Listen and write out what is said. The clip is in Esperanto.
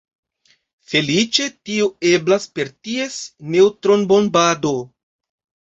Feliĉe tio eblas per ties neŭtronbombado.